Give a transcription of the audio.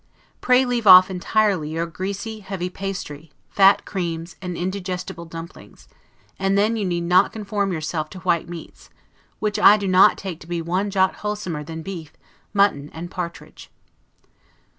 Pray leave off entirely your greasy, heavy pastry, fat creams, and indigestible dumplings; and then you need not confine yourself to white meats, which I do not take to be one jot wholesomer than beef, mutton, and partridge.